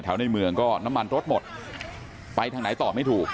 ในเมืองก็น้ำมันรถหมดไปทางไหนตอบไม่ถูก